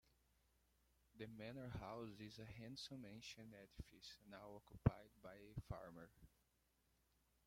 The manor-house is a handsome ancient edifice, now occupied by a farmer.